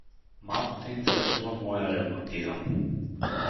— Малко те интересува моя ревматизъм.